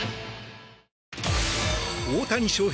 大谷翔平